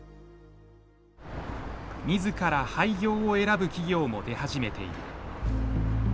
自ら廃業を選ぶ企業も出始めている。